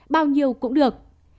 bao nhiêu cũng được